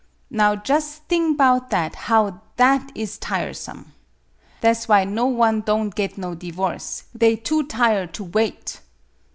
Now jus' thing 'bout that how that is tiresome! Tha' 's why no one don' git no divorce; they too tire' to wait.